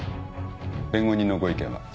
弁護人のご意見は？